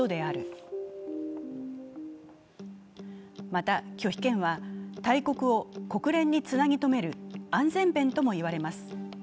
また拒否権は大国を国連につなぎとめる安全弁ともいわれます。